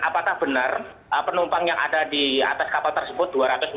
apakah benar penumpang yang ada di atas kapal tersebut dua ratus empat puluh